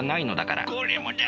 これもだ！